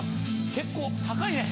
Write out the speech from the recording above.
結構高いね。